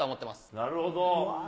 なるほど。